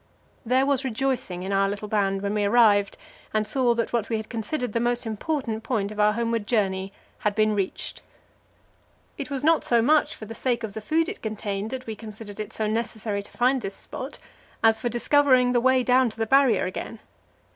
There was rejoicing in our little band when we arrived and saw that what we had considered the most important point of our homeward journey had been reached. It was not so much for the sake of the food it contained that we considered it so necessary to find this spot, as for discovering the way down to the Barrier again.